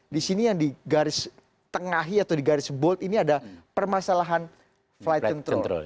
di sini yang digaris tengahi atau di garis bold ini ada permasalahan flight control